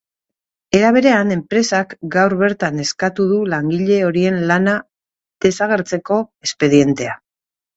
Era berean, enpresak gaur bertan eskatu du langile horien lana desagertzeko espedientea.